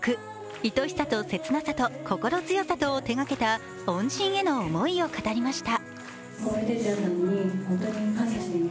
「恋しさとせつなさと心強さと」を手がけた恩人への思いを語りました。